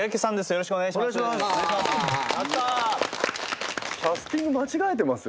よろしくお願いします。